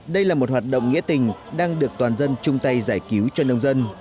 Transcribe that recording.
đây là một hoạt động nghĩa tình đang được toàn dân chung tay giải cứu cho nông dân